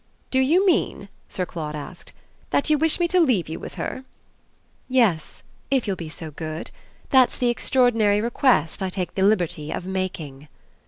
"Do you mean," Sir Claude asked, "that you wish me to leave you with her?" "Yes, if you'll be so good; that's the extraordinary request I take the liberty of making."